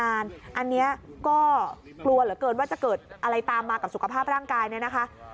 อันนี้ก็กลัวเหลือเกินว่าจะเกิดอะไรตามมากับสุขภาพร่างกายเนี่ยนะคะ